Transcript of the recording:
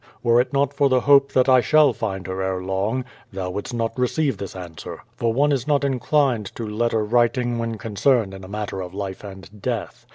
Were it not for the hope that I shall find her ere long, thou wouldst not receive this answer, for one is not inclined to letter writing when con cerned in a matter of life and death.